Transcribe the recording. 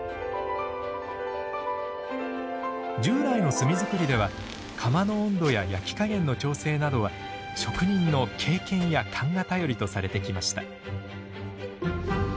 従来の炭づくりでは窯の温度や焼き加減の調整などは職人の経験や勘が頼りとされてきました。